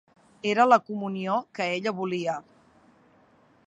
Era la comunió que ella volia.